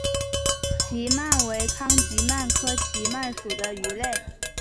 奇鳗为康吉鳗科奇鳗属的鱼类。